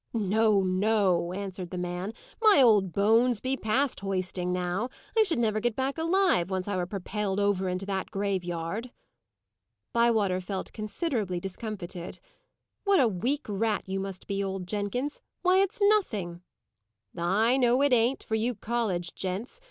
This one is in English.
"No, no," answered the man. "My old bones be past hoisting now. I should never get back alive, once I were propelled over into that graveyard." Bywater felt considerably discomfited. "What a weak rat you must be, old Jenkins! Why, it's nothing!" "I know it ain't for you college gents.